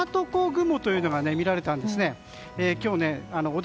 雲というものが見られたんですね。